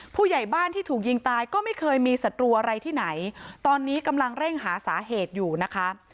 ผู้ใหญ่บ้านที่ถูกยิงตายก็ไม่เคยมีศัตรูอะไรที่ไหนตอนนี้กำลังเร่งหาสาเหตุอยู่นะคะ